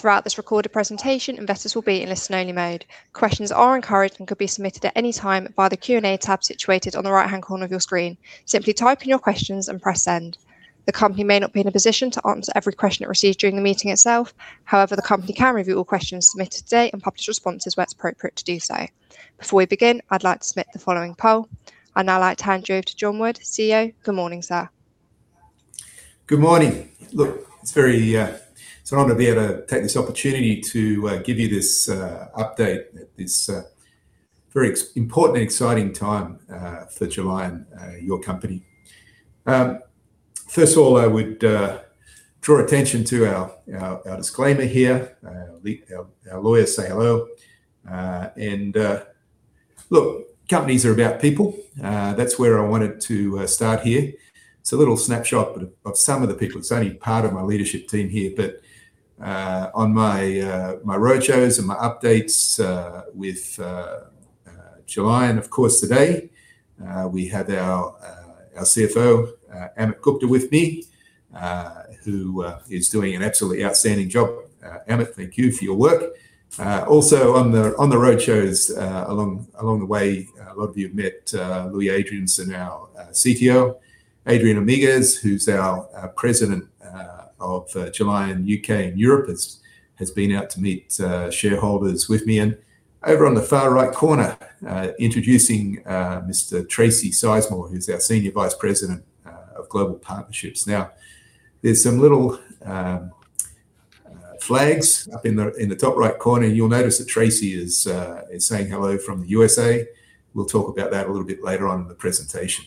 Throughout this recorded presentation, investors will be in listen only mode. Questions are encouraged and could be submitted at any time via the Q&A tab situated on the right-hand corner of your screen. Simply type in your questions and press send. The company may not be in a position to answer every question it receives during the meeting itself. The company can review all questions submitted today and publish responses where it's appropriate to do so. Before we begin, I'd like to submit the following poll. I'd now like to hand you over to John Wood, CEO. Good morning, sir. Good morning. It's an honor to be able to take this opportunity to give you this update at this very important and exciting time for Gelion, your company. First of all, I would draw attention to our disclaimer here. Our lawyers say hello. Companies are about people. That's where I wanted to start here. It's a little snapshot of some of the people. It's only part of my leadership team here, on my roadshows and my updates with Gelion, of course, today, we had our CFO, Amit Gupta with me, who is doing an absolutely outstanding job. Amit, thank you for your work. Also on the roadshows, along the way, a lot of you have met Louis Adriaenssens, our CTO. Adrien Amigues, who's our President of Gelion U.K. and Europe, has been out to meet shareholders with me. Over on the far right corner, introducing Mr. Tracy Sizemore, who's our Senior Vice President of Global Partnerships. Now, there's some little flags up in the top right corner. You'll notice that Tracy is saying hello from the USA. We'll talk about that a little bit later on in the presentation.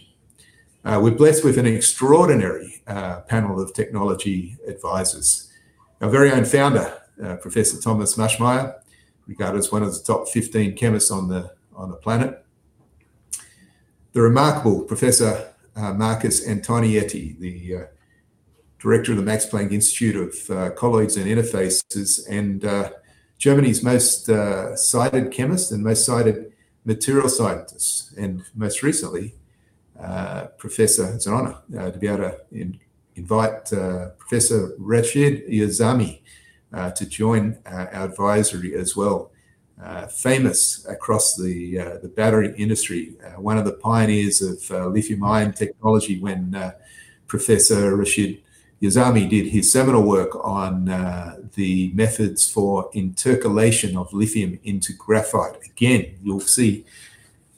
We're blessed with an extraordinary panel of technology advisors. Our very own founder, Professor Thomas Maschmeyer, regarded as one of the top 15 chemists on the planet. The remarkable Professor Markus Antonietti, the Director of the Max Planck Institute of Colloids and Interfaces, and Germany's most cited chemist and most cited material scientist. Most recently, professor. It's an honor to be able to invite Professor Rachid Yazami to join our advisory as well. Famous across the battery industry, one of the pioneers of lithium-ion technology when Professor Rachid Yazami did his seminal work on the methods for intercalation of lithium into graphite. You'll see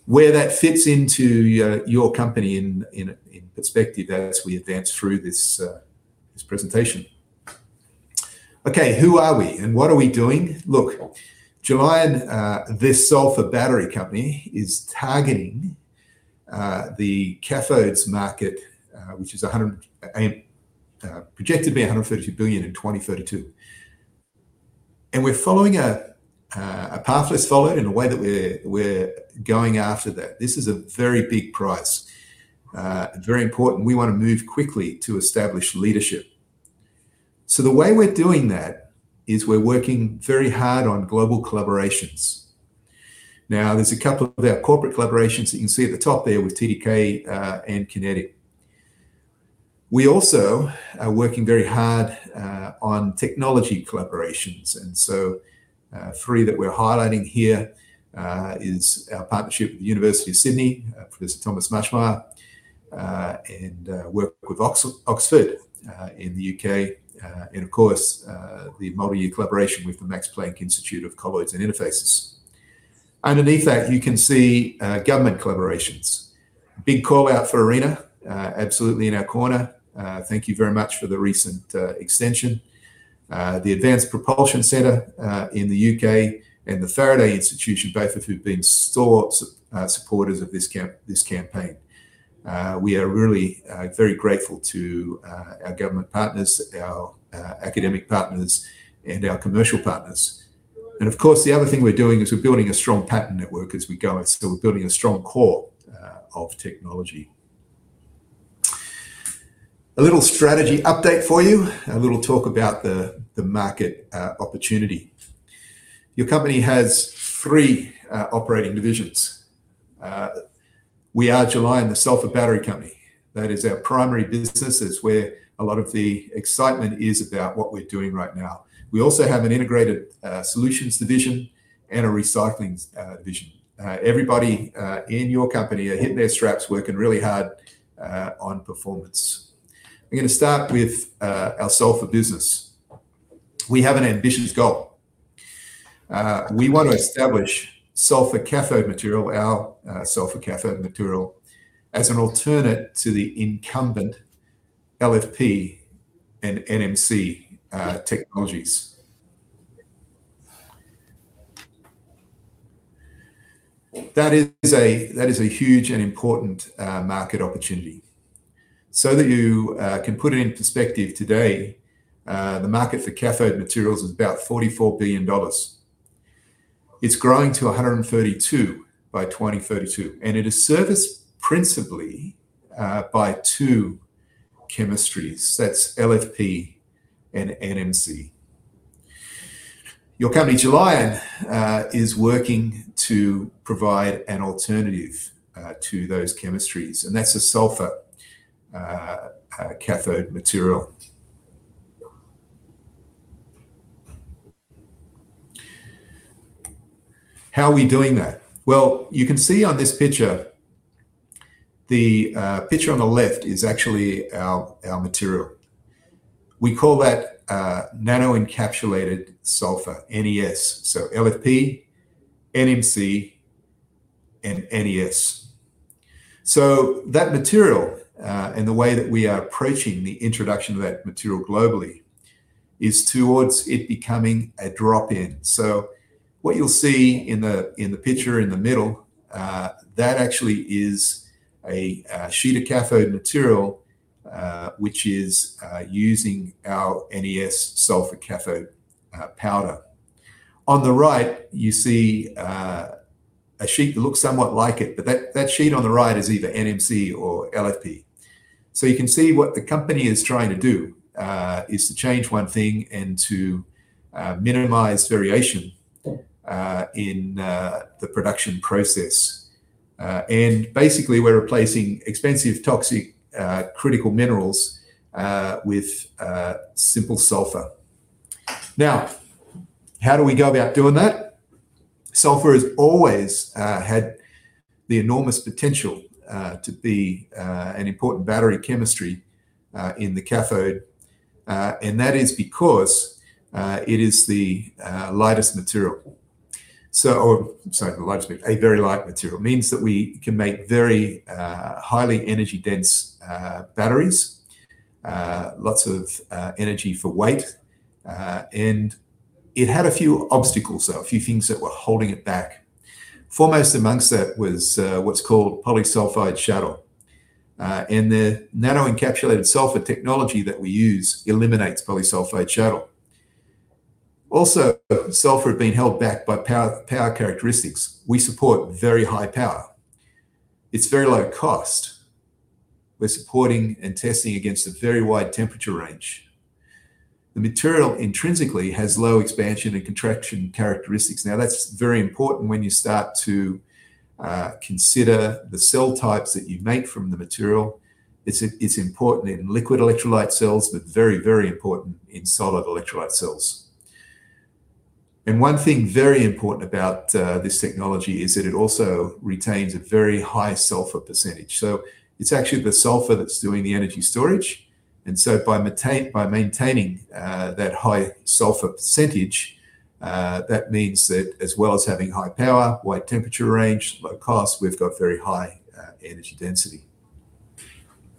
where that fits into your company in perspective as we advance through this presentation. Who are we and what are we doing? Look, Gelion, this sulfur battery company is targeting the cathodes market, which is projected to be $132 billion in 2032. We're following a path less followed in the way that we're going after that. This is a very big prize. Very important. We want to move quickly to establish leadership. The way we're doing that is we're working very hard on global collaborations. There's a couple of our corporate collaborations that you can see at the top there with TDK and QinetiQ. We also are working very hard on technology collaborations, three that we're highlighting here is our partnership with The University of Sydney, Professor Thomas Maschmeyer. Work with Oxford in the U.K. Of course, the multi-year collaboration with the Max Planck Institute of Colloids and Interfaces. Underneath that, you can see government collaborations. Big call-out for ARENA, absolutely in our corner. Thank you very much for the recent extension. The Advanced Propulsion Centre in the U.K. and the Faraday Institution, both of who've been strong supporters of this campaign. We are really very grateful to our government partners, our academic partners, and our commercial partners. Of course, the other thing we're doing is we're building a strong patent network as we go. We're building a strong core of technology. A little strategy update for you. A little talk about the market opportunity. Your company has three operating divisions. We are Gelion, the sulfur battery company. That is our primary business. It's where a lot of the excitement is about what we're doing right now. We also have an integrated solutions division and a recycling division. Everybody in your company are hitting their straps, working really hard on performance. I'm gonna start with our sulfur business. We have an ambitious goal. We want to establish sulfur cathode material, our sulfur cathode material, as an alternate to the incumbent LFP and NMC technologies. That is a huge and important market opportunity. That you can put it in perspective today, the market for cathode materials is about $44 billion. It's growing to 132 by 2032, and it is serviced principally by two chemistries. That's LFP and NMC. Your company, Gelion, is working to provide an alternative to those chemistries, and that's a sulfur cathode material. How are we doing that? Well, you can see on this picture, the picture on the left is actually our material. We call that Nano-Encapsulated Sulfur, NES. LFP, NMC, and NES. That material and the way that we are approaching the introduction of that material globally, is towards it becoming a drop-in. What you'll see in the picture in the middle, that actually is a sheet of cathode material, which is using our NES sulfur cathode powder. On the right, you see a sheet that looks somewhat like it, but that sheet on the right is either NMC or LFP. You can see what the company is trying to do, is to change one thing and to minimize variation in the production process. Basically, we're replacing expensive, toxic, critical minerals with simple sulfur. Now, how do we go about doing that? Sulfur has always had the enormous potential to be an important battery chemistry in the cathode, and that is because it is the lightest material. I'm sorry, the lightest material. A very light material. Means that we can make very highly energy-dense batteries. Lots of energy for weight. It had a few obstacles, so a few things that were holding it back. Foremost amongst that was what's called polysulfide shuttle. The Nano-Encapsulated Sulfur technology that we use eliminates polysulfide shuttle. Sulfur had been held back by power characteristics. We support very high power. It's very low cost. We're supporting and testing against a very wide temperature range. The material intrinsically has low expansion and contraction characteristics. Now, that's very important when you start to consider the cell types that you make from the material. It's important in liquid electrolyte cells, but very important in solid electrolyte cells. One thing very important about this technology is that it also retains a very high sulfur percentage. It's actually the sulfur that's doing the energy storage. By maintaining that high sulfur percentage, that means that as well as having high power, wide temperature range, low cost, we've got very high energy density.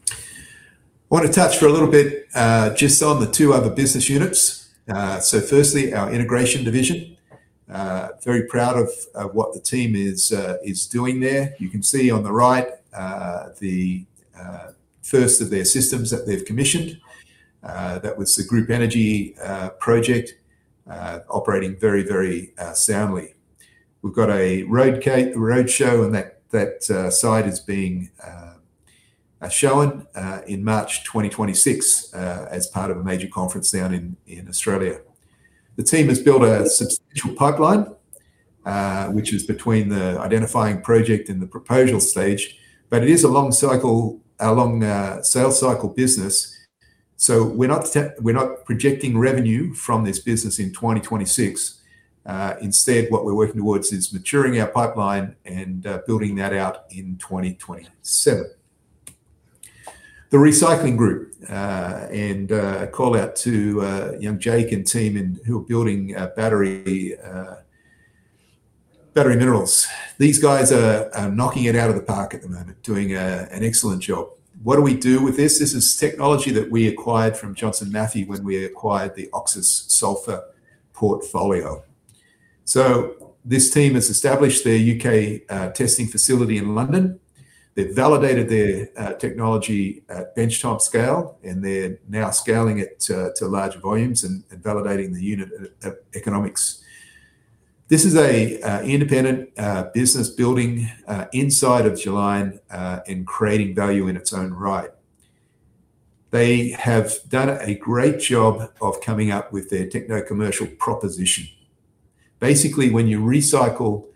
I wanna touch for a little bit just on the two other business units. First, our integration division. Very proud of what the team is doing there. You can see on the right, the first of their systems that they've commissioned. That was the Group Energy project, operating very, very soundly. We've got a roadshow, and that site is being shown in March 2026, as part of a major conference down in Australia. The team has built a substantial pipeline, which is between the identifying project and the proposal stage. It is a long cycle, a long sales cycle business. We're not projecting revenue from this business in 2026. Instead, what we're working towards is maturing our pipeline and building that out in 2027. The recycling group, a call-out to young Jake and team who are building battery minerals. These guys are knocking it out of the park at the moment, doing an excellent job. What do we do with this? This is technology that we acquired from Johnson Matthey when we acquired the OXIS sulfur portfolio. This team has established their U.K. testing facility in London. They've validated their technology at bench-top scale, and they're now scaling it to larger volumes and validating the unit e-economics. This is a independent business building inside of Gelion and creating value in its own right. They have done a great job of coming up with their techno-commercial proposition. Basically, when you recycle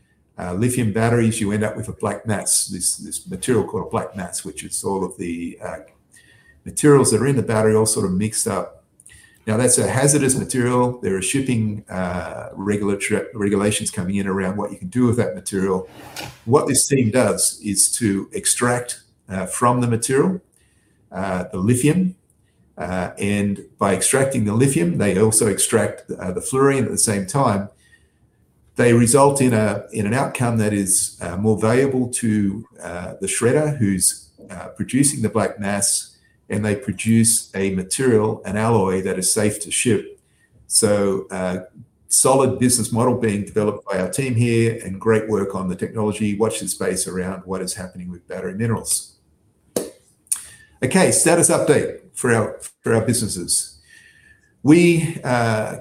lithium batteries, you end up with a black mass, this material called a black mass, which is all of the materials that are in the battery all sort of mixed up. That's a hazardous material. There are shipping regulations coming in around what you can do with that material. What this team does is to extract from the material the lithium, and by extracting the lithium, they also extract the fluorine at the same time. They result in an outcome that is more valuable to the shredder who's producing the black mass, and they produce a material, an alloy, that is safe to ship. Solid business model being developed by our team here, and great work on the technology. Watch this space around what is happening with Battery Minerals. Okay, status update for our businesses. We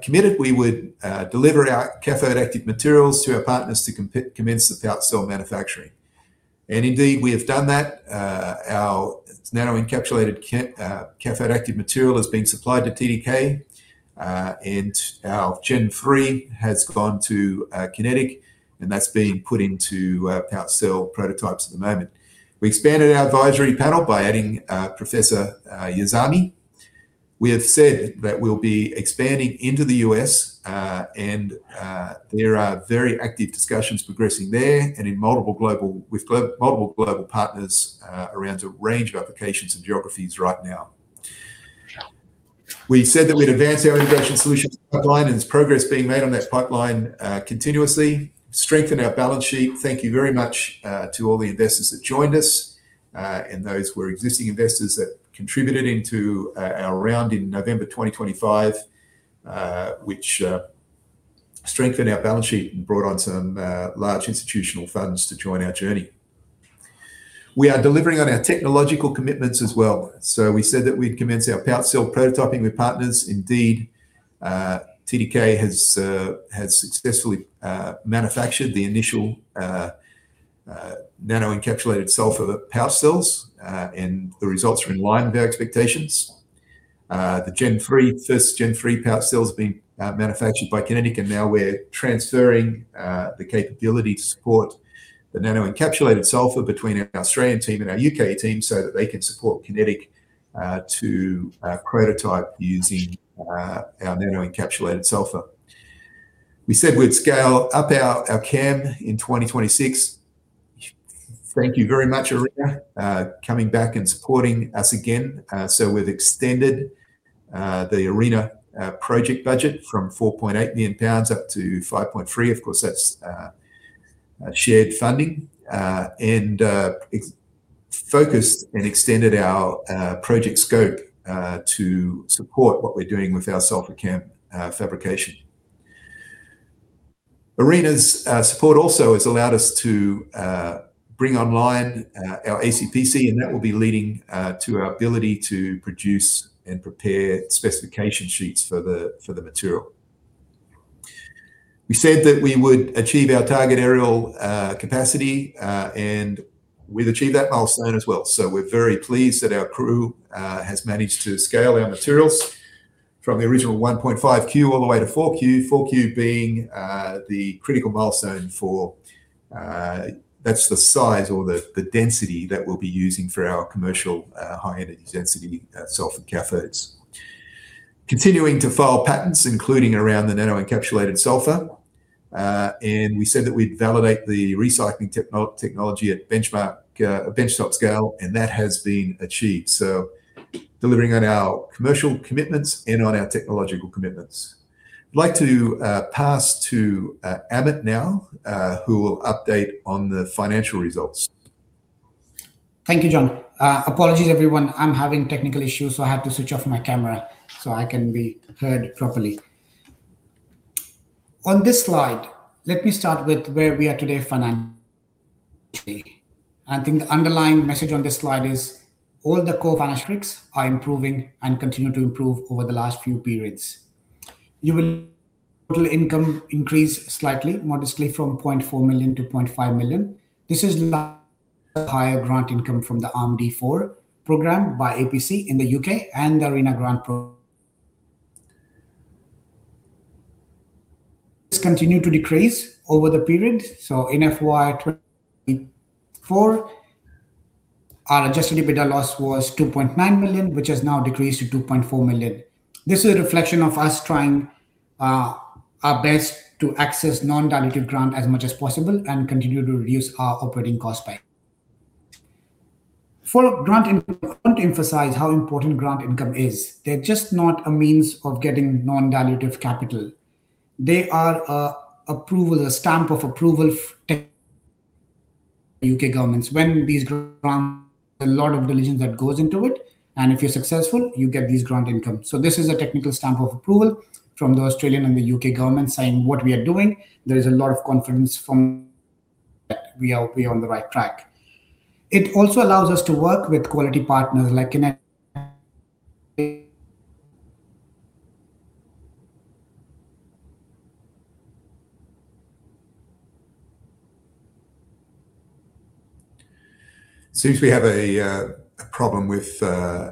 committed we would deliver our cathode active materials to our partners to commence the cell manufacturing. Indeed we have done that. Our Nano-Encapsulated Sulfur cathode active material has been supplied to TDK, and our GEN3 has gone to QinetiQ, and that's being put into pouch cell prototypes at the moment. We expanded our advisory panel by adding Professor Yazami. We have said that we'll be expanding into the U.S., and there are very active discussions progressing there and in multiple global partners, around a range of applications and geographies right now. We said that we'd advance our innovation solutions pipeline, and there's progress being made on that pipeline continuously. Strengthen our balance sheet. Thank you very much to all the investors that joined us, and those were existing investors that contributed into our round in November 2025, which strengthened our balance sheet and brought on some large institutional funds to join our journey. We are delivering on our technological commitments as well. We said that we'd commence our pouch cell prototyping with partners. Indeed, TDK has successfully manufactured the initial Nano-Encapsulated Sulfur pouch cells, and the results are in line with our expectations. The GEN3, first GEN3 pouch cell has been manufactured by QinetiQ, and now we're transferring the capability to support the Nano-Encapsulated Sulfur between our Australian team and our U.K. team so that they can support QinetiQ to prototype using our Nano-Encapsulated Sulfur. We said we'd scale up our CAM in 2026. Thank you very much, ARENA, coming back and supporting us again. We've extended the ARENA project budget from 4.8 million pounds up to 5.3 million. Of course, that's shared funding, and focused and extended our project scope to support what we're doing with our sulfur CAM fabrication. ARENA's support also has allowed us to bring online our ACPC, and that will be leading to our ability to produce and prepare specification sheets for the material. We said that we would achieve our target areal capacity, and we've achieved that milestone as well. We're very pleased that our crew has managed to scale our materials from the original 1.5 Q all the way to 4Q. 4Q being the critical milestone for that's the size or the density that we'll be using for our commercial high energy density sulfur cathodes. Continuing to file patents, including around the Nano-Encapsulated Sulfur. We said that we'd validate the recycling technology at benchmark at benchtop scale, and that has been achieved. Delivering on our commercial commitments and on our technological commitments. I'd like to pass to Amit now, who will update on the financial results. Apologies everyone, I'm having technical issues, so I have to switch off my camera so I can be heard properly. On this slide, let me start with where we are today financially. I think the underlying message on this slide is all the core metrics are improving and continue to improve over the last few periods. You will total income increase slightly, modestly from 0.4 million-0.5 million. This is higher grant income from the ARMD 4 program by APC in the U.K. and the ARENA grant. Continue to decrease over the period. In FY 2024, our adjusted EBITDA loss was 2.9 million, which has now decreased to 2.4 million. This is a reflection of us trying our best to access non-dilutive grant as much as possible and continue to reduce our operating cost by. Follow grant income. I want to emphasize how important grant income is. They're just not a means of getting non-dilutive capital. They are a approval, a stamp of approval from U.K. governments. When these grants, a lot of diligence that goes into it, and if you're successful, you get these grant income. This is a technical stamp of approval from the Australian and the U.K. government saying what we are doing, there is a lot of confidence from that we are on the right track. It also allows us to work with quality partners like QinetiQ. Seems we have a problem with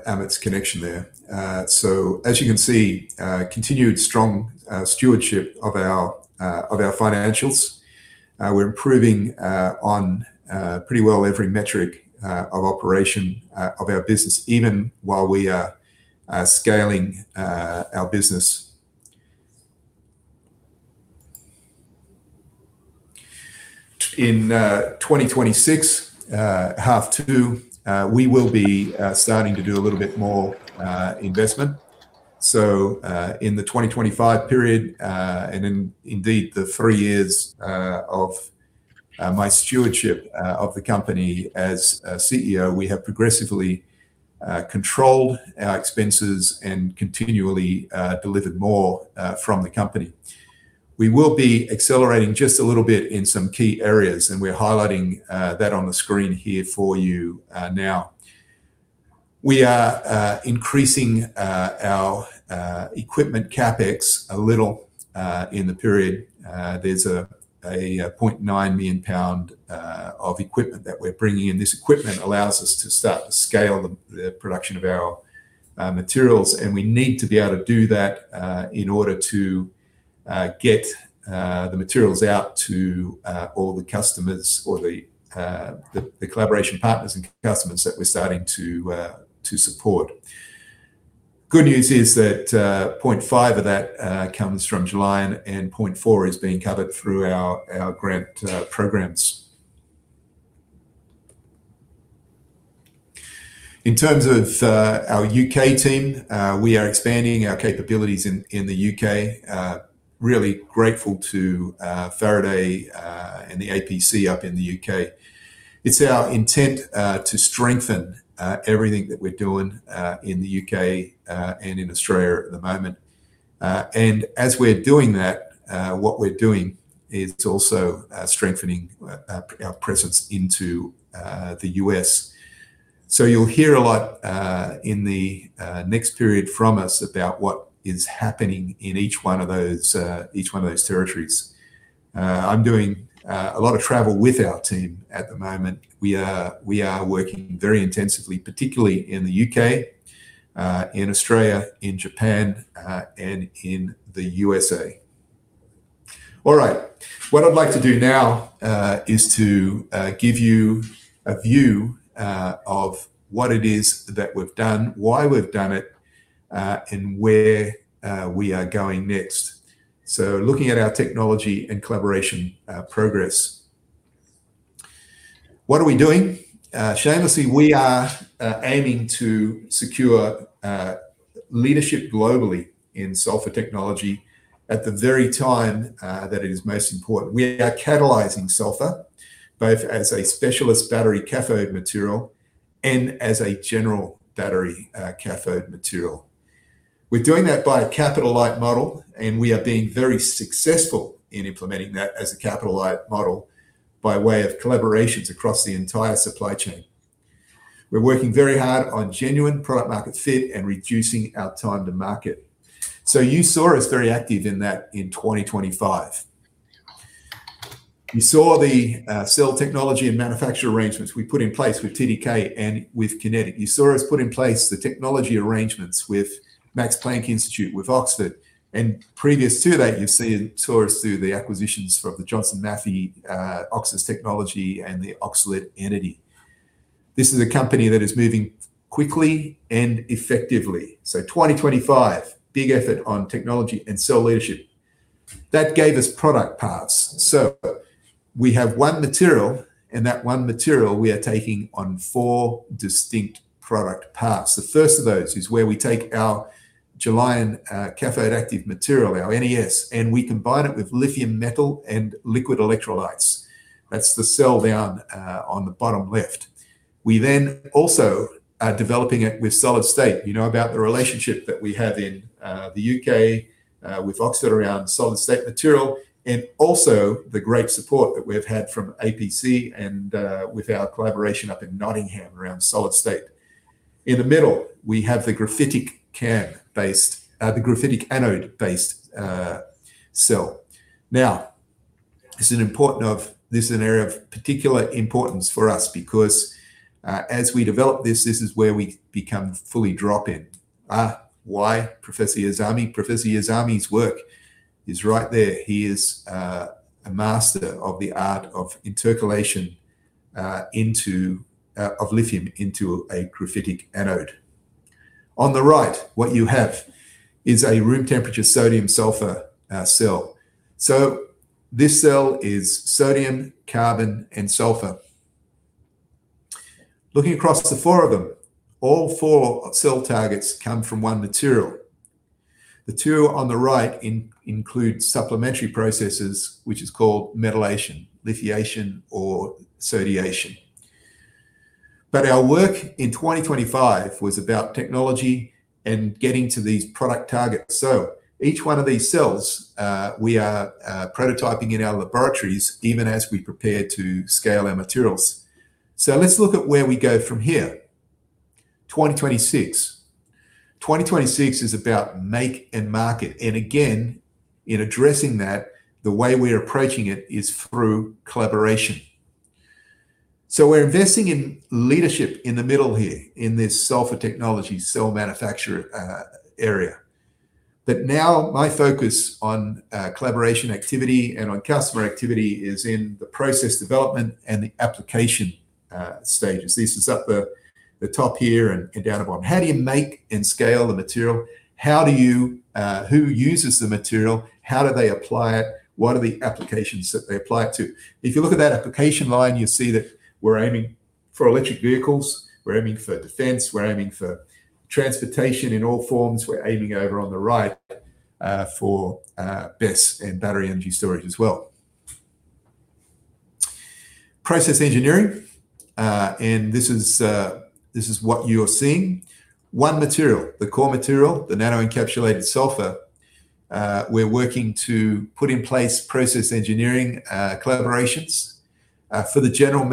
Amit's connection there. As you can see, continued strong stewardship of our financials. We're improving on pretty well every metric of operation of our business, even while we are scaling our business. In 2026, half two, we will be starting to do a little bit more investment. In the 2025 period, and indeed the three years of my stewardship of the company as CEO, we have progressively controlled our expenses and continually delivered more from the company. We will be accelerating just a little bit in some key areas. We're highlighting that on the screen here for you now. We are increasing our equipment CapEx a little in the period. There's 0.9 million pound of equipment that we're bringing in. This equipment allows us to start to scale the production of our materials. We need to be able to do that in order to get the materials out to all the customers or the collaboration partners and customers that we're starting to support. Good news is that 0.5 million of that comes from Gelion, 0.4 million is being covered through our grant programs. In terms of our U.K. team, we are expanding our capabilities in the U.K. Really grateful to Faraday and the APC up in the U.K.. It's our intent to strengthen everything that we're doing in the U.K. and in Australia at the moment. As we're doing that, what we're doing is also strengthening our presence into the U.S.. You'll hear a lot in the next period from us about what is happening in each one of those territories. I'm doing a lot of travel with our team at the moment. We are working very intensively, particularly in the U.K., in Australia, in Japan, and in the USA. All right. What I'd like to do now is to give you a view of what it is that we've done, why we've done it, and where we are going next. Looking at our technology and collaboration progress. What are we doing? Shamelessly, we are aiming to secure leadership globally in sulfur technology at the very time that it is most important. We are catalyzing sulfur both as a specialist battery cathode material and as a general battery cathode material. We're doing that by a capital-light model, and we are being very successful in implementing that as a capital-light model by way of collaborations across the entire supply chain. We're working very hard on genuine product market fit and reducing our time to market. You saw us very active in that in 2025. You saw the cell technology and manufacture arrangements we put in place with TDK and with QinetiQ. You saw us put in place the technology arrangements with Max Planck Institute, with Oxford. Previous to that, saw us do the acquisitions from the Johnson Matthey OXIS technology and the OXLiD entity. This is a company that is moving quickly and effectively. 2025, big effort on technology and cell leadership. That gave us product paths. We have one material, and that one material we are taking on four distinct product paths. The first of those is where we take our Gelion cathode active material, our NES, and we combine it with lithium metal and liquid electrolytes. That's the cell down on the bottom left. We also are developing it with solid state. You know about the relationship that we have in the U.K. with Oxford around solid-state material, and also the great support that we've had from APC and with our collaboration up in Nottingham around solid-state. In the middle, we have the graphitic anode-based cell. This is an area of particular importance for us because as we develop this is where we become fully drop-in. Why Professor Yazami? Professor Yazami's work is right there. He is a master of the art of intercalation into of lithium into a graphitic anode. On the right, what you have is a room temperature sodium-sulfur cell. This cell is sodium, carbon, and sulfur. Looking across the four of them, all four cell targets come from one material. The two on the right include supplementary processes, which is called metalation, lithiation, or sodiation. Our work in 2025 was about technology and getting to these product targets. Each one of these cells, we are prototyping in our laboratories even as we prepare to scale our materials. Let's look at where we go from here. 2026. 2026 is about make and market. Again, in addressing that, the way we're approaching it is through collaboration. We're investing in leadership in the middle here, in this sulfur technology cell manufacture area. Now my focus on collaboration activity and on customer activity is in the process development and the application stages. This is up the top here and down the bottom. How do you make and scale the material? How do you, who uses the material? How do they apply it? What are the applications that they apply it to? If you look at that application line, you'll see that we're aiming for electric vehicles. We're aiming for defense. We're aiming for transportation in all forms. We're aiming over on the right, for BESS and battery energy storage as well. Process engineering, this is what you're seeing. One material, the core material, the Nano-Encapsulated Sulfur. We're working to put in place process engineering collaborations. For the general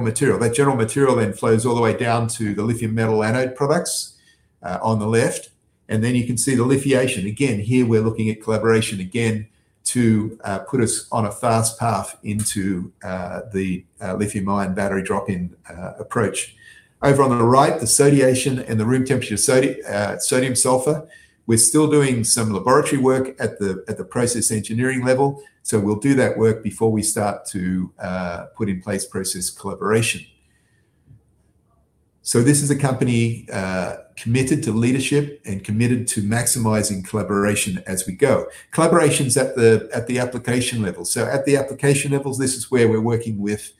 material. That general material flows all the way down to the lithium metal anode products on the left, you can see the lithiation. Again, here we're looking at collaboration again to put us on a fast path into the lithium-ion battery drop-in approach. Over on the right, the sodiation and the room temperature sodium sulfur, we're still doing some laboratory work at the process engineering level, we'll do that work before we start to put in place process collaboration. This is a company committed to leadership and committed to maximizing collaboration as we go. Collaboration's at the application level. At the application levels, this is where we're working with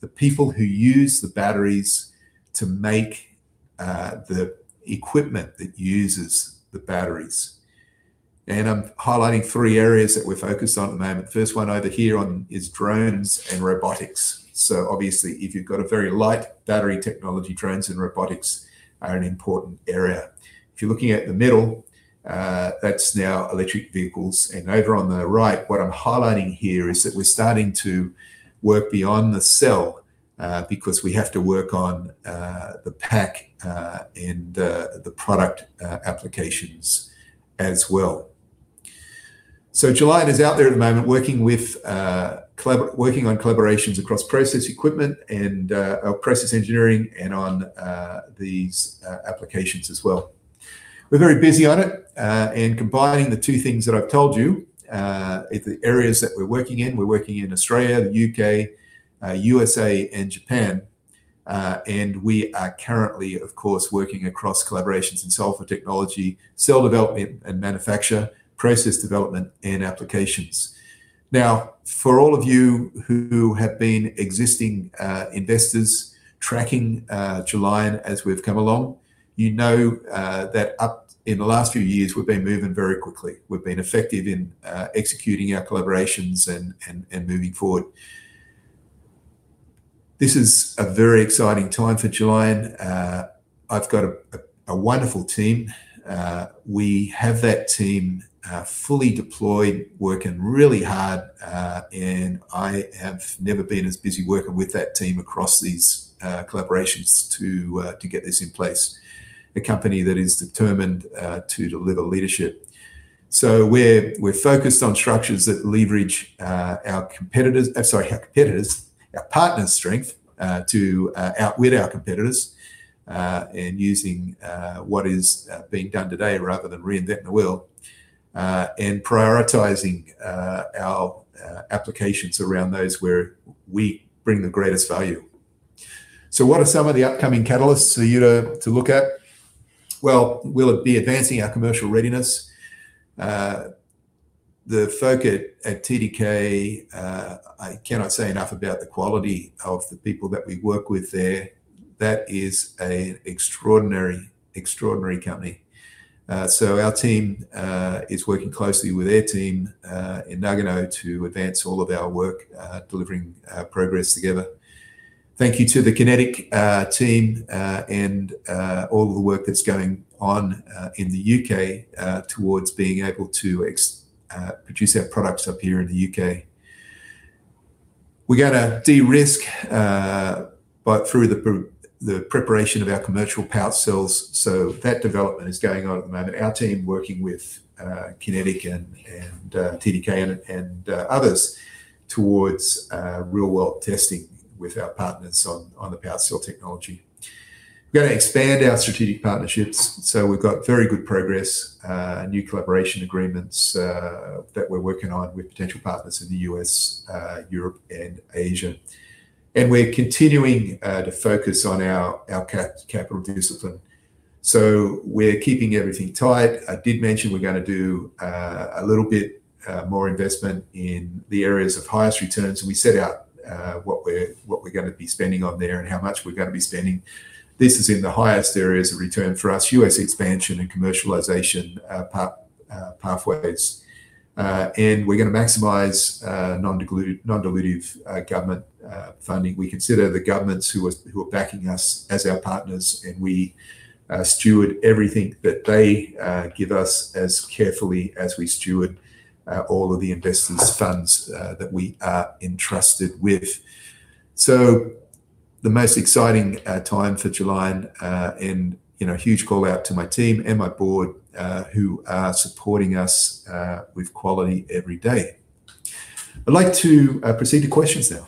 the people who use the batteries to make the equipment that uses the batteries. I'm highlighting three areas that we're focused on at the moment. The first one over here is drones and robotics. Obviously, if you've got a very light battery technology, drones and robotics are an important area. If you're looking at the middle, that's now electric vehicles. Over on the right, what I'm highlighting here is that we're starting to work beyond the cell, because we have to work on the pack and the product applications as well. Gelion is out there at the moment working with working on collaborations across process equipment and or process engineering and on these applications as well. We're very busy on it. Combining the two things that I've told you, the areas that we're working in, we're working in Australia, the U.K., USA, and Japan. We are currently, of course, working across collaborations in sulfur technology, cell development and manufacture, process development, and applications. For all of you who have been existing investors tracking Gelion as we've come along, you know. in the last few years we've been moving very quickly. We've been effective in, executing our collaborations and moving forward. This is a very exciting time for Gelion. I've got a wonderful team. We have that team, fully deployed, working really hard. And I have never been as busy working with that team across these, collaborations to get this in place. A company that is determined, to deliver leadership. We're, we're focused on structures that leverage, our competitors, sorry, our competitors, our partners' strength, to outwit our competitors, in using, what is, being done today rather than reinventing the wheel. And prioritizing, our, applications around those where we bring the greatest value. What are some of the upcoming catalysts for you to look at? Well, we'll be advancing our commercial readiness. The folk at TDK, I cannot say enough about the quality of the people that we work with there. That is a extraordinary company. Our team is working closely with their team in Nagano to advance all of our work, delivering progress together. Thank you to the QinetiQ team and all of the work that's going on in the U.K. towards being able to produce our products up here in the U.K. We're gonna de-risk through the preparation of our commercial pouch cells, that development is going on at the moment. Our team working with QinetiQ and TDK and others towards real-world testing with our partners on the pouch cell technology. We're gonna expand our strategic partnerships. We've got very good progress, new collaboration agreements that we're working on with potential partners in the U.S., Europe, and Asia. We're continuing to focus on our capital discipline. We're keeping everything tight. I did mention we're gonna do a little bit more investment in the areas of highest returns. We set out what we're gonna be spending on there and how much we're gonna be spending. This is in the highest areas of return for us, U.S. expansion and commercialization pathways. We're gonna maximize non-dilutive government funding. We consider the governments who are backing us as our partners, and we steward everything that they give us as carefully as we steward all of the investors' funds that we are entrusted with. The most exciting time for Gelion, and, you know, a huge call-out to my team and my board, who are supporting us with quality every day. I'd like to proceed to questions now.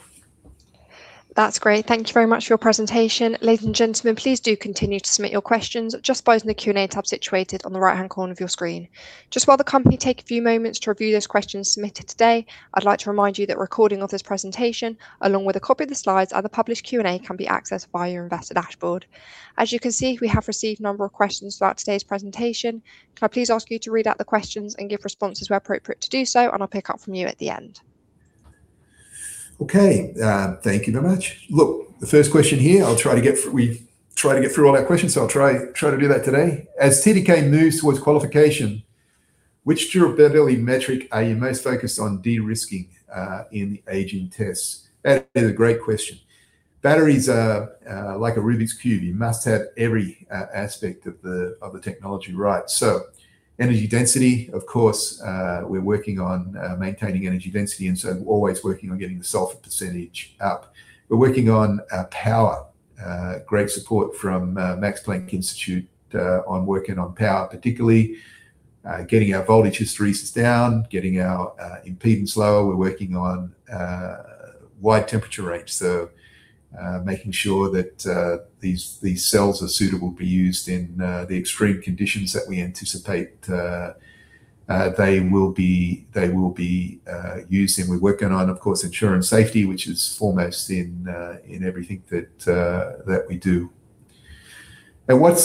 That's great. Thank you very much for your presentation. Ladies and gentlemen, please do continue to submit your questions just by using the Q&A tab situated on the right-hand corner of your screen. Just while the company take a few moments to review those questions submitted today, I'd like to remind you that recording of this presentation, along with a copy of the slides and the published Q&A, can be accessed via your investor dashboard. As you can see, we have received a number of questions throughout today's presentation. Can I please ask you to read out the questions and give responses where appropriate to do so, and I'll pick up from you at the end. Thank you very much. The first question here, we try to get through all our questions, so I'll try to do that today. As TDK moves towards qualification, which durability metric are you most focused on de-risking in the aging tests? That is a great question. Batteries are like a Rubik's Cube. You must have every aspect of the technology right. Energy density, of course, we're working on maintaining energy density always working on getting the sulfur percentage up. We're working on power. Great support from Max Planck Institute on working on power, particularly getting our voltage hysteresis down, getting our impedance lower. We're working on wide temperature range, making sure that these cells are suitable to be used in the extreme conditions that we anticipate they will be used in. We're working on, of course, assurance safety, which is foremost in everything that we do. At what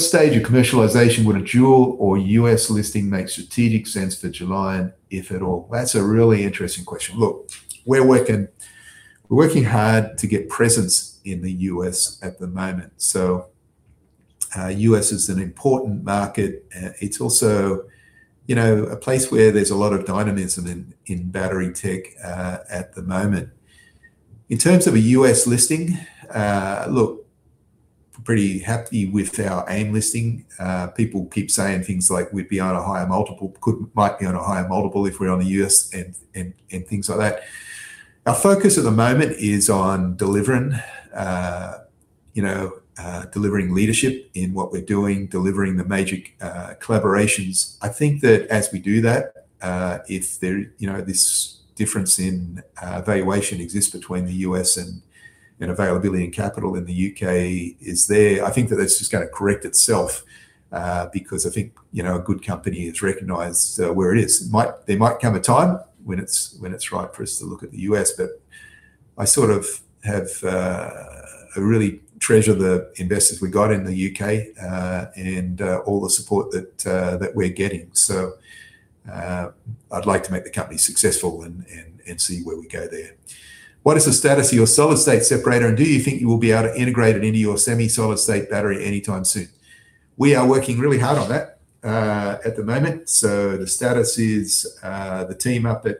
stage of commercialization would a dual or U.S. listing make strategic sense for Gelion, if at all? That's a really interesting question. Look, we're working hard to get presence in the U.S. at the moment. U.S. is an important market. It's also, you know, a place where there's a lot of dynamism in battery tech at the moment. In terms of a U.S. listing, look, we're pretty happy with our AIM listing. People keep saying things like we'd be on a higher multiple, might be on a higher multiple if we're on the U.S. and things like that. Our focus at the moment is on delivering, you know, delivering leadership in what we're doing, delivering the magic collaborations. I think that as we do that, if there, you know, this difference in valuation exists between the U.S. and in availability and capital in the U.K. is there, I think that that's just gonna correct itself, because I think, you know, a good company is recognized where it is. There might come a time when it's right for us to look at the U.S. I sort of have, I really treasure the investors we got in the U.K., and all the support that we're getting. I'd like to make the company successful and see where we go there. "What is the status of your solid-state separator, and do you think you will be able to integrate it into your semi-solid state battery anytime soon?" We are working really hard on that at the moment. The status is, the team up at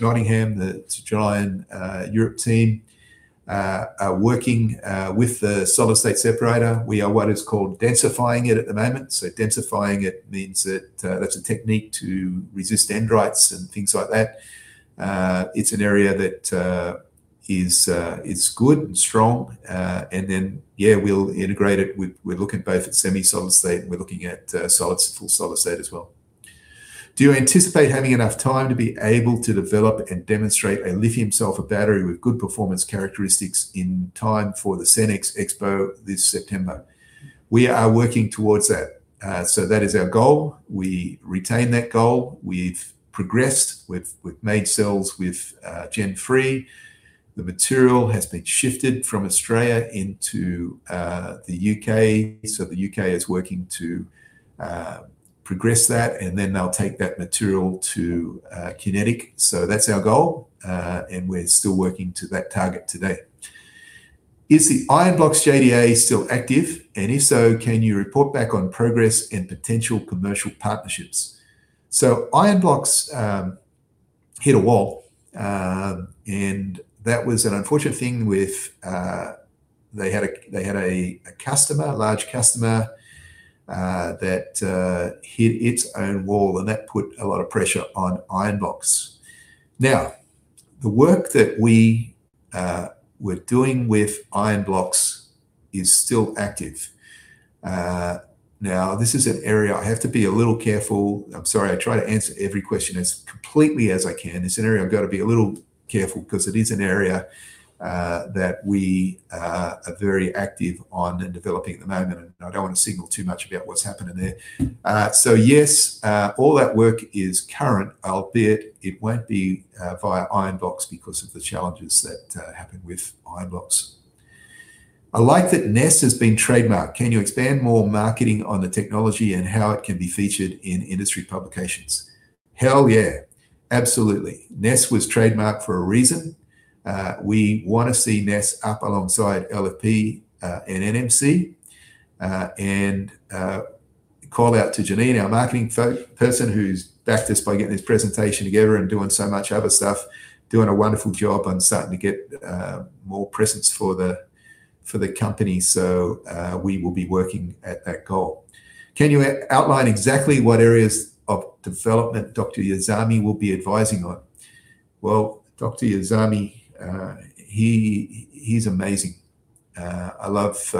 Nottingham, the Gelion Europe team, are working with the solid-state separator. We are what is called densifying it at the moment. Densifying it means that that's a technique to resist dendrites and things like that. It's an area that is good and strong. Yeah, we'll integrate it. We're looking both at semi-solid state and we're looking at solid, full solid state as well. "Do you anticipate having enough time to be able to develop and demonstrate a lithium sulfur battery with good performance characteristics in time for the Cenex Expo this September?" We are working towards that. That is our goal. We retain that goal. We've progressed. We've made cells with GEN3. The material has been shifted from Australia into the U.K. The U.K. is working to progress that, and then they'll take that material to QinetiQ. That's our goal, and we're still working to that target today. Is the Ionblox JDA still active? If so, can you report back on progress and potential commercial partnerships? Ionblox hit a wall, and that was an unfortunate thing with. They had a customer, a large customer, that hit its own wall, and that put a lot of pressure on Ionblox. The work that we were doing with Ionblox is still active. This is an area I have to be a little careful. I'm sorry. I try to answer every question as completely as I can. It's an area I've got to be a little careful because it is an area that we are very active on in developing at the moment, and I don't want to signal too much about what's happening there. Yes, all that work is current, albeit it won't be via Ionblox because of the challenges that happened with Ionblox. "I like that NES has been trademarked. Can you expand more marketing on the technology and how it can be featured in industry publications?" Hell yeah. Absolutely. NES was trademarked for a reason. We wanna see NES up alongside LFP and NMC. Call out to Janine, our marketing person who's backed us by getting this presentation together and doing so much other stuff, doing a wonderful job on starting to get more presence for the company. We will be working at that goal. "Can you outline exactly what areas of development Dr. Yazami will be advising on?" Well, Dr. Yazami, he's amazing. I love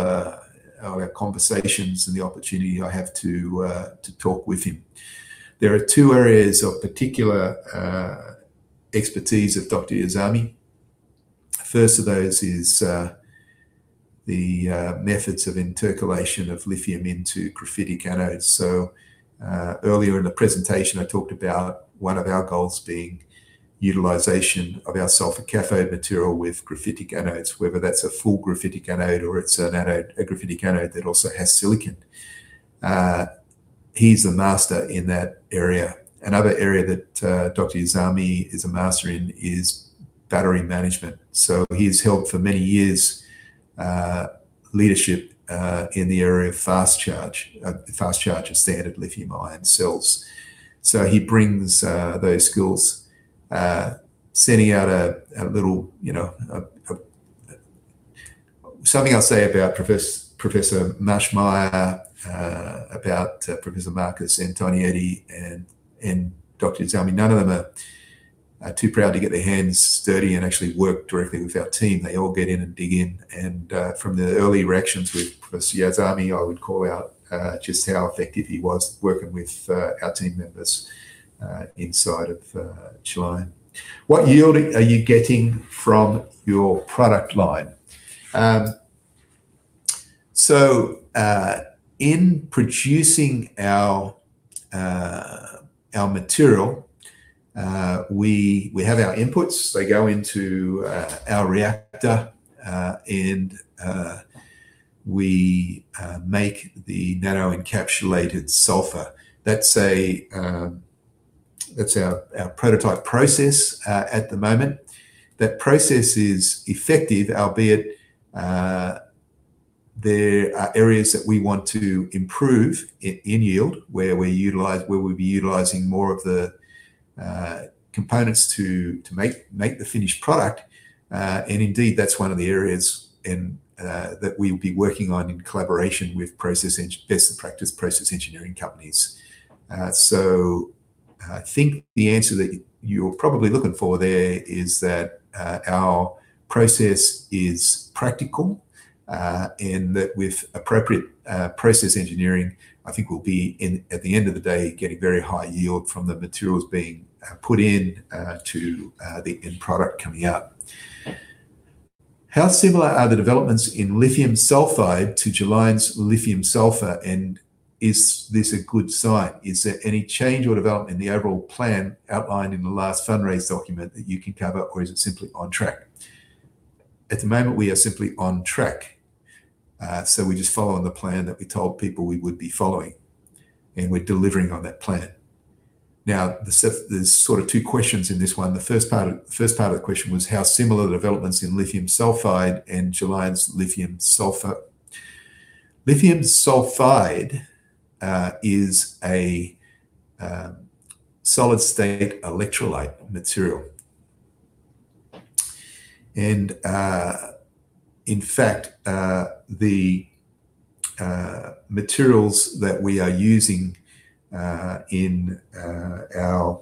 our conversations and the opportunity I have to talk with him. There are two areas of particular expertise of Dr. Yazami. First of those is the methods of intercalation of lithium into graphitic anodes. Earlier in the presentation, I talked about one of our goals being utilization of our sulfur cathode material with graphitic anodes, whether that's a full graphitic anode or it's an anode, a graphitic anode that also has silicon. He's a master in that area. Another area that Dr. Yazami is a master in is battery management. He's helped for many years, Leadership in the area of fast charge. Fast charge is standard lithium ion cells. He brings those skills, sending out a little, you know, a. Something I'll say about Professor Thomas Maschmeyer, about Professor Markus Antonietti and Dr. Yazami, none of them are too proud to get their hands dirty and actually work directly with our team. They all get in and dig in. From the early reactions with Professor Yazami, I would call out just how effective he was working with our team members inside of Gelion. What yield are you getting from your product line? In producing our material, we have our inputs. They go into our reactor, and we make the Nano-Encapsulated Sulfur. That's our prototype process at the moment. That process is effective, albeit, there are areas that we want to improve in yield where we utilize, where we'll be utilizing more of the components to make the finished product. Indeed, that's one of the areas that we'll be working on in collaboration with best practice process engineering companies. I think the answer that you're probably looking for there is that our process is practical, in that with appropriate process engineering, I think we'll be in, at the end of the day, getting very high yield from the materials being put in to the end product coming out. How similar are the developments in lithium sulfide to Gelion's lithium sulfur, and is this a good sign? Is there any change or development in the overall plan outlined in the last fundraise document that you can cover, or is it simply on track? At the moment, we are simply on track. We're just following the plan that we told people we would be following, and we're delivering on that plan. There's sort of two questions in this one. The first part, the first part of the question was how similar the developments in lithium sulfide and Gelion's lithium sulfur. Lithium sulfide is a solid state electrolyte material. In fact, the materials that we are using in our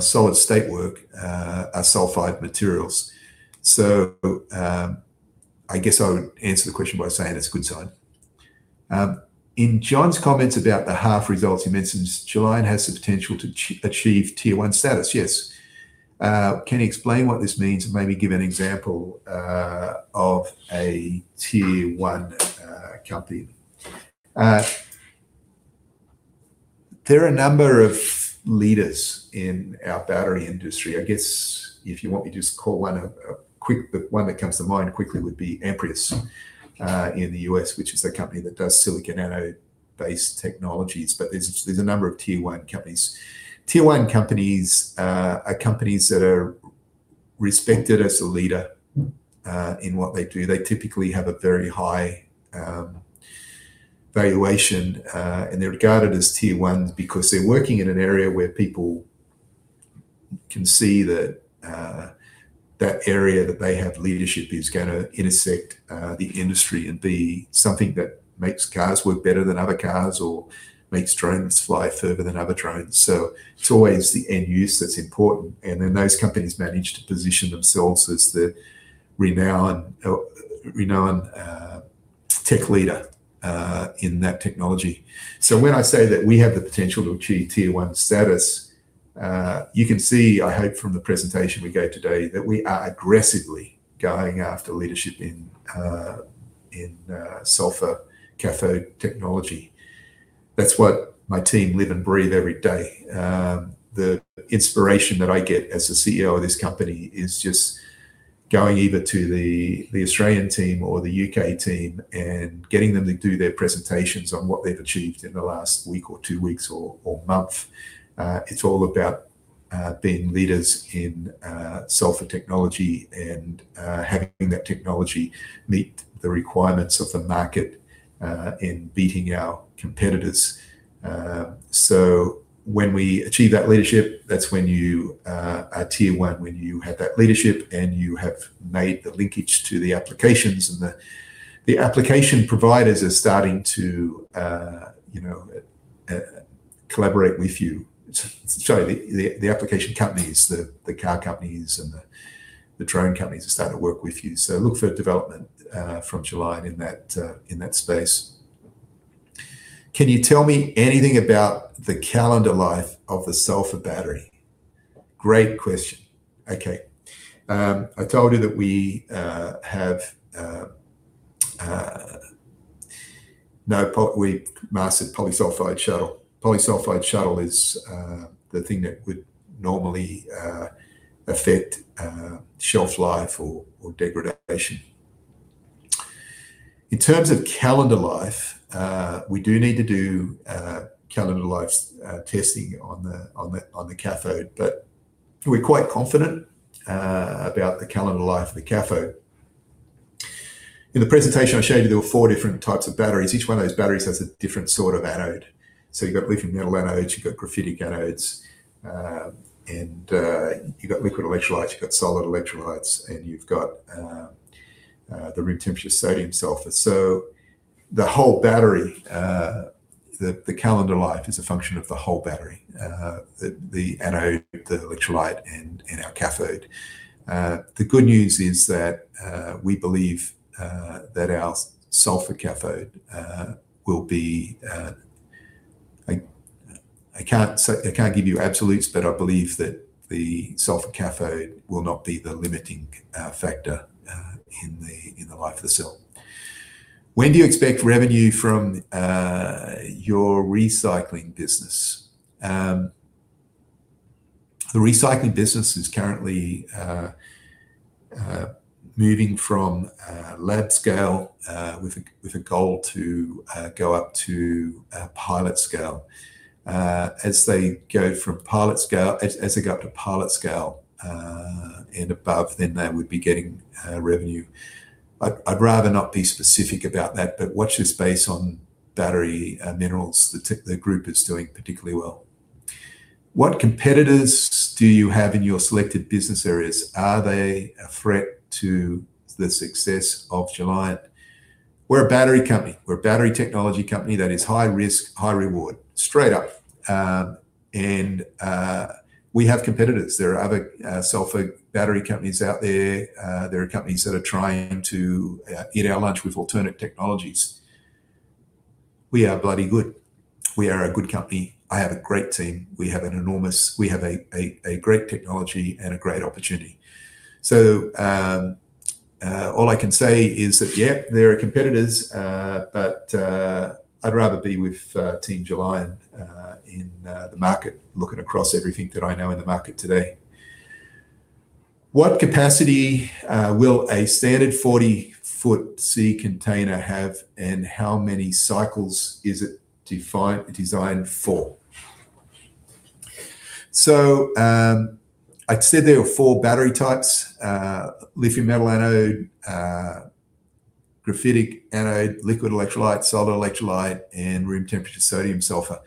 solid state work are sulfide materials. I guess I would answer the question by saying it's a good sign. In John's comments about the half results, he mentions Gelion has the potential to achieve tier one status. Yes. Can you explain what this means and maybe give an example of a tier one company? There are a number of leaders in our battery industry. I guess if you want me to just call one. The one that comes to mind quickly would be Amprius in the U.S., which is a company that does silicon anode-based technologies. There's a number of tier one companies. Tier one companies are companies that are respected as a leader in what they do. They typically have a very high valuation, and they're regarded as tier one because they're working in an area where people can see that that area that they have leadership is gonna intersect the industry and be something that makes cars work better than other cars or makes drones fly further than other drones. It's always the end use that's important. And then those companies manage to position themselves as the renowned tech leader in that technology. When I say that we have the potential to achieve tier one status, you can see, I hope from the presentation we gave today, that we are aggressively going after leadership in sulfur cathode technology. That's what my team live and breathe every day. The inspiration that I get as the CEO of this company is just going either to the Australian team or the U.K. team and getting them to do their presentations on what they've achieved in the last week or two weeks or month. It's all about being leaders in sulfur technology and having that technology meet the requirements of the market in beating our competitors. When we achieve that leadership, that's when you are tier one. When you have that leadership and you have made the linkage to the applications and the application providers are starting to, you know, collaborate with you. Sorry, the application companies, the car companies and the drone companies are starting to work with you. Look for development from Gelion in that in that space. Can you tell me anything about the calendar life of the sulfur battery? Great question. Okay. I told you that we mastered polysulfide shuttle. Polysulfide shuttle is the thing that would normally affect shelf life or degradation. In terms of calendar life, we do need to do calendar life testing on the cathode. We're quite confident about the calendar life of the cathode. In the presentation I showed you, there were four different types of batteries. Each one of those batteries has a different sort of anode. You've got lithium metal anodes, you've got graphitic anodes, and you've got liquid electrolytes, you've got solid electrolytes, and you've got the room temperature sodium sulfur. The whole battery, the calendar life is a function of the whole battery, the anode, the electrolyte, and our cathode. The good news is that we believe that our sulfur cathode will be. I can't give you absolutes, but I believe that the sulfur cathode will not be the limiting factor in the life of the cell. When do you expect revenue from your recycling business? The recycling business is currently moving from lab scale with a goal to go up to pilot scale. As they go up to pilot scale and above, then they would be getting revenue. I'd rather not be specific about that, but watch your space on battery minerals. The group is doing particularly well. What competitors do you have in your selected business areas? Are they a threat to the success of Gelion? We're a battery company. We're a battery technology company that is high risk, high reward, straight up. We have competitors. There are other sulfur battery companies out there. There are companies that are trying to eat our lunch with alternative technologies. We are bloody good. We are a good company. I have a great team. We have a great technology and a great opportunity. All I can say is that, yeah, there are competitors, but I'd rather be with Team Gelion in the market, looking across everything that I know in the market today. What capacity will a standard 40-ft sea container have, and how many cycles is it designed for? I'd say there are four battery types: lithium metal anode, graphitic anode, liquid electrolyte, solid electrolyte, and room temperature sodium sulfur.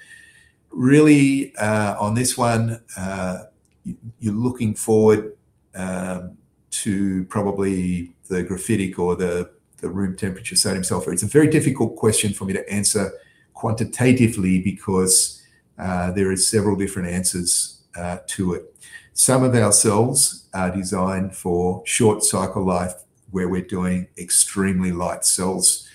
Really, on this one, you're looking forward to probably the graphitic or the room temperature sodium sulfur. It's a very difficult question for me to answer quantitatively because there are several different answers to it. Some of our cells are designed for short cycle life, where we're doing extremely light cells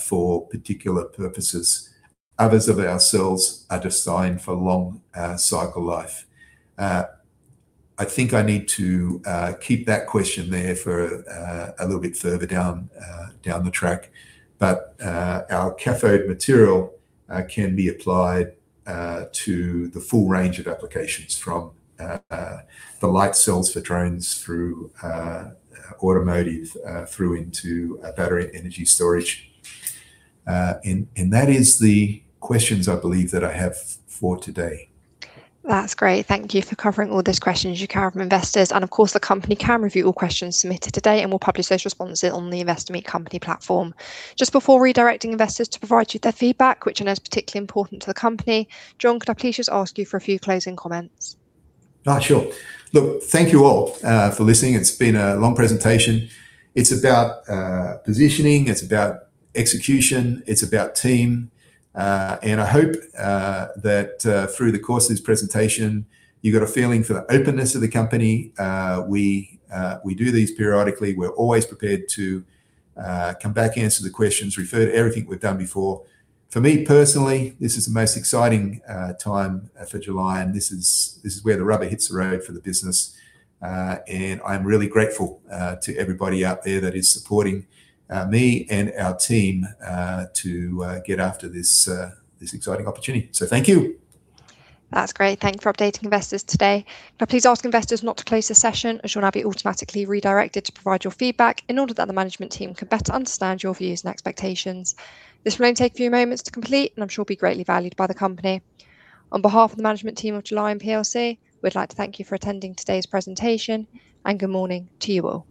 for particular purposes. Others of our cells are designed for long, cycle life. I think I need to keep that question there for a little bit further down the track. Our cathode material can be applied to the full range of applications from the light cells for drones through automotive, through into battery energy storage. And that is the questions I believe that I have for today. That's great. Thank you for covering all those questions you have from investors. Of course, the company can review all questions submitted today and will publish those responses on the Investor Meet Company platform. Just before redirecting investors to provide you their feedback, which I know is particularly important to the company, John, could I please just ask you for a few closing comments? Sure. Look, thank you all for listening. It's been a long presentation. It's about positioning, it's about execution, it's about team. I hope that through the course of this presentation you got a feeling for the openness of the company. We do these periodically. We're always prepared to come back, answer the questions, refer to everything we've done before. For me, personally, this is the most exciting time for Gelion. This is where the rubber hits the road for the business. I'm really grateful to everybody out there that is supporting me and our team to get after this exciting opportunity. Thank you. That's great. Thank you for updating investors today. Can I please ask investors not to close the session, as you'll now be automatically redirected to provide your feedback in order that the management team can better understand your views and expectations. This will only take a few moments to complete and I'm sure will be greatly valued by the company. On behalf of the management team of Gelion plc, we'd like to thank you for attending today's presentation, good morning to you all.